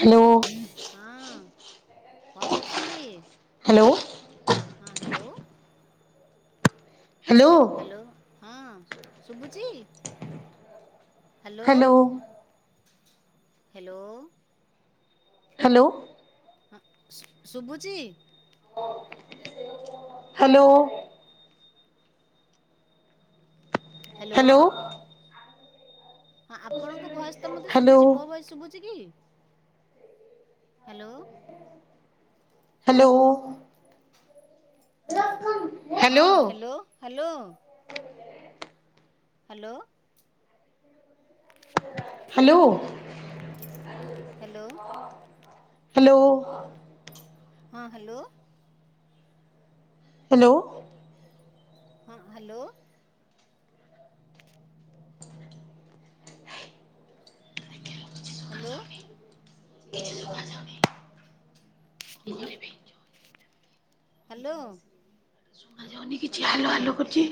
Hello hello ହଁ କଣ କରୁ ଅଛନ୍ତି? ହ୍ୟାଲୋ [inaudible] ହଁ ହେଲୋ। ହାଲୋ। ହ୍ୟାଲୋ ହଁ ଶୁବୁଚି [inaudible] ହାଲୋ। [inaudible] ହାଲୋ। ହାଲୋ। ହଁ ସୁ ସୁବୁଚି [inaudible] ହାଲୋ। ହାଲୋ। ହଁ ଆପଣଙ୍କ ଭଏସ୍ ତ ମୋତେ ହ୍ୟାଲୋ ହ୍ୟାଲୋ ଶୁଭୁଛି, ମୋ ଭଏସ୍ ଶୁଭୁଛି କି? ହ୍ୟାଲୋ। ହ୍ୟାଲୋ। [unintelligible] ହଁ hello hello. Hello. Hello. Hello ହଁ। ହ୍ୟାଲୋ। ହଁ ହ୍ୟାଲୋ। ହ୍ୟାଲୋ। ହଁ ହ୍ୟାଲୋ। ହ୍ୟାଲୋ। କିଛି ସୁଭା ଯାଉନି, କି କରିବି? ହ୍ୟାଲୋ। ଶୁଭା ଯାଉନି କିଛି ହାଲୋ ହାଲୋ କରୁଚି,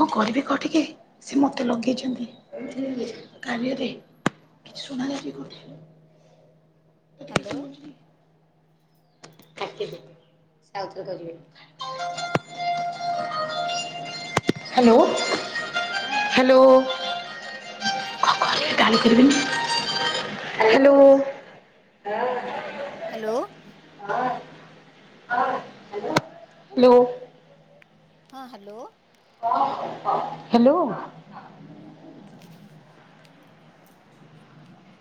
କଣ କରିବି କହ ଟିକେ? ସିଏ ମୋତେ ଲଗେଇଛନ୍ତି କାରିଆରେ କିଛି ଶୁଣାଯାଉନି ମୋତେ। ହ୍ୟାଲୋ। କାଟି ଦେ ସେ ଆଉ ଥରେ କରିବେ ହ୍ୟାଲୋ ହଁ, ହ୍ୟାଲୋ। ହ୍ୟାଲୋ କଣ କରିବି ଡାଏଲ କରିବିନି। ହ୍ୟାଲୋ। ହ୍ୟାଲୋ। ହ୍ୟାଲୋ। ହଁ ହ୍ୟାଲୋ। ହ୍ୟାଲୋ। ଆ